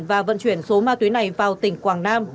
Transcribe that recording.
và vận chuyển số ma túy này vào tỉnh quảng nam